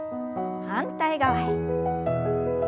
反対側へ。